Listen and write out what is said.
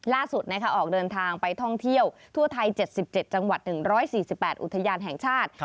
ออกเดินทางไปท่องเที่ยวทั่วไทย๗๗จังหวัด๑๔๘อุทยานแห่งชาติ